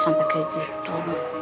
sampai kayak gitu